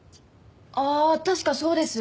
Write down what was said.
ああ確かそうです。